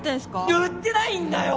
売ってないんだよ！